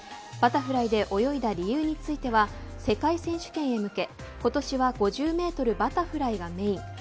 バタフライで泳いだ理由については世界選手権へ向け、今年は５０メートルバタフライがメーン。